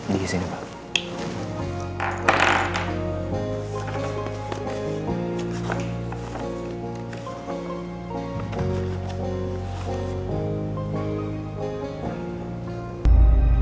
di sini pak